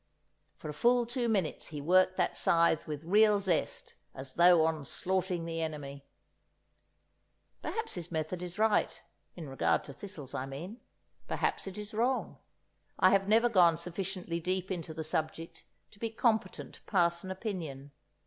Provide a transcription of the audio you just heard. '" For a full two minutes he worked that scythe with real zest, as though onslaughting the enemy. Perhaps his method is right (in regard to thistles, I mean), perhaps it is wrong; I've never gone sufficiently deep into the subject to be competent to pass an opinion.